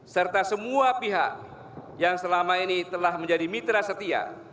serta semua pihak yang selama ini telah menjadi mitra setia